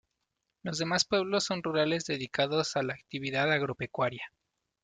Los demás pueblos son rurales dedicados a la actividad agropecuaria.